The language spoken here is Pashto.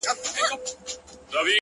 څه ته مي زړه نه غواړي،